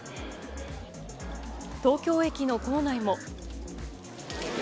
東京駅の構内も。